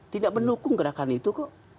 tidak mendukung gerakan itu kok